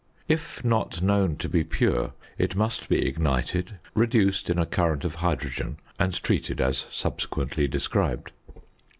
If not known to be pure it must be ignited, reduced in a current of hydrogen, and treated as subsequently described.